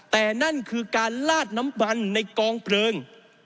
แต่นั่นคือการลาดน้ำมันในกองเพลิง